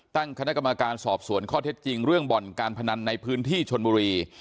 ตั้งคณะกรรมการสอบสวนข้อเท็จจริงเรื่องบ่อนการพนันในพื้นที่ชนบุรี